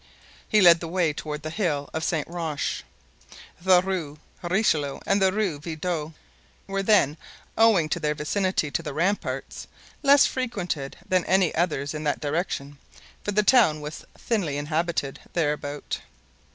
He led the way toward the hill of Saint Roche. The Rue Richelieu and the Rue Villedot were then, owing to their vicinity to the ramparts, less frequented than any others in that direction, for the town was thinly inhabited thereabout.